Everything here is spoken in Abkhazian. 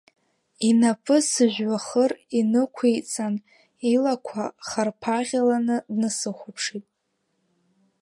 Инапы сыжәҩахыр инықәиҵан илақәа харпаӷьаланы днасыхәаԥшит.